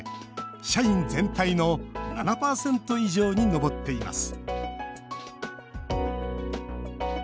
社員全体の７％以上に上っています